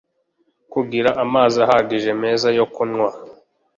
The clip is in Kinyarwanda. kugira amazi ahagije meza yo kunywa